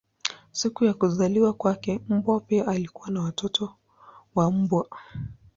Siku ya kuzaliwa kwake mbwa pia alikuwa na watoto wa mbwa.